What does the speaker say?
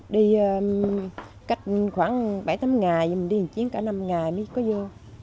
đi cách khoảng bảy tám ngày mình đi một chuyến cả năm ngày mới có vô